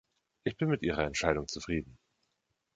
Ich bin mit Ihrer Entscheidung zufrieden.